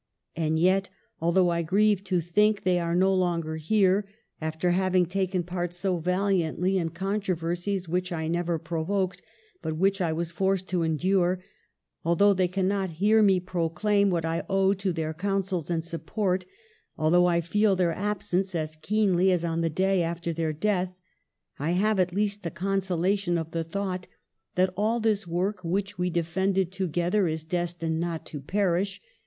^'And yet, although I grieve to think they are no longer here, after having taken part so val iantly in controversies which I never provoked, but which I was forced to endure; although they cannot hear me proclaim what I owe to their counsels and support ; although I feel their absence as keenly as on the day after their death, I have at least the consolation of the thought that all this work which we defended together is destined not to perish.